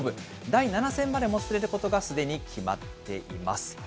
第７戦までもつれることが、すでに決まっています。